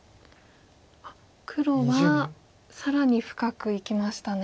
黒は更に深くいきましたね。